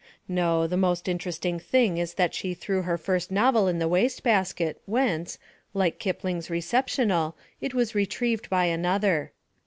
No, the most interesting thing is that she threw her first novel in the wastebasket whence, like Kipling* s Recessional, it was retrieved by another.